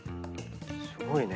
すごいね。